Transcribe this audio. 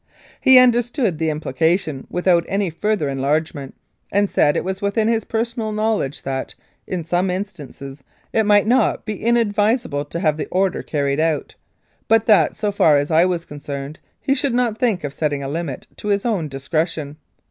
He understood the implication without any further enlargement, and said it was within his personal knowledge that, in some instances, it might not be inadvisable to have the order carried out, but that so far as I was concerned he should not think of setting a limit to his own discretion.